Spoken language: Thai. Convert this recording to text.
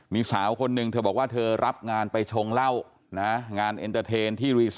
มีสาวคนหนึ่งเธอบอกว่าเธอรับงานไปชงเหล้างานที่